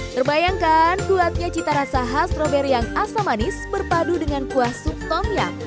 terbayangkan kuatnya cita rasa khas stroberi yang asam manis berpadu dengan kuah sup tomyang